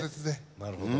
なるほど。